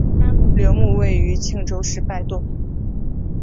陵墓位于庆州市拜洞。